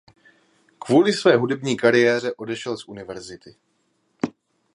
Kvůli své hudební kariéře odešel z univerzity.